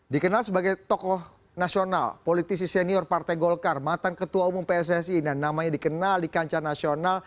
dikenal sebagai tokoh nasional politisi senior partai golkar mantan ketua umum pssi dan namanya dikenal di kancah nasional